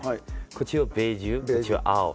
こっちはベージュこっちは青。